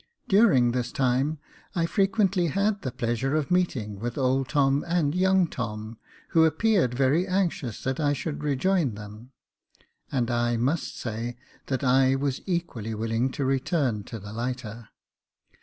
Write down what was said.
During this time I frequently had the pleasure of meeting with old and young Tom, who appeared very anxious that I should rejoin them ; and I must say that I was equally willing to return to the lighter.